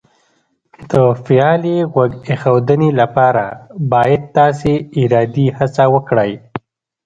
د فعالې غوږ ایښودنې لپاره باید تاسې ارادي هڅه وکړئ